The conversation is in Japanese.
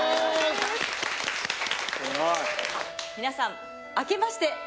皆さん明けまして。